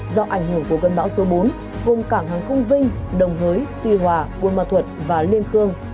do ảnh hưởng của cơn bão số bốn gồm cảng hàng không vinh đồng hới tuy hòa quân mà thuật và liên khương